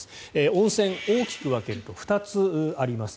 温泉、大きく分けると２つあります。